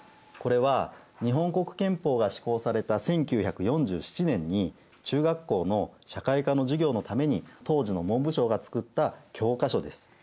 これは日本国憲法が施行された１９４７年に中学校の社会科の授業のために当時の文部省が作った教科書です。